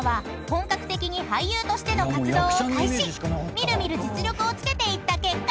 ［見る見る実力をつけていった結果］